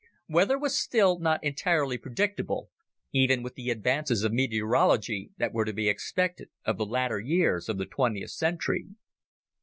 Weather was still not entirely predictable, even with the advances of meteorology that were to be expected of the latter years of the twentieth century.